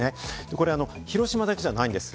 これ広島だけじゃないんです。